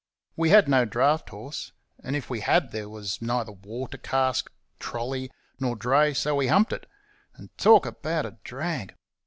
We had no draught horse, and if we had there was neither water cask, trolly, nor dray; so we humped it and talk about a drag!